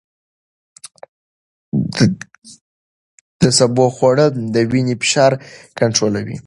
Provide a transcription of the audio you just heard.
د سبو خوړل د وینې فشار کنټرولوي.